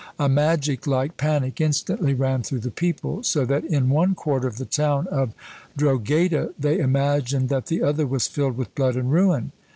A magic like panic instantly ran through the people, so that in one quarter of the town of Drogheda they imagined that the other was filled with blood and ruin.